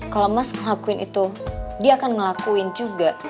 kalau mas ngelakuin itu dia akan ngelakuin juga